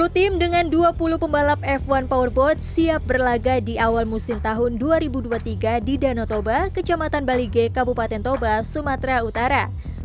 sepuluh tim dengan dua puluh pembalap f satu powerboat siap berlaga di awal musim tahun dua ribu dua puluh tiga di danau toba kecamatan balige kabupaten toba sumatera utara